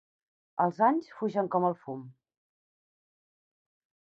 Els anys fugen com el fum.